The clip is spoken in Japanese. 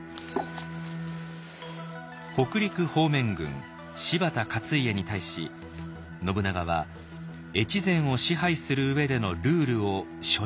北陸方面軍柴田勝家に対し信長は越前を支配する上でのルールを書状で伝えています。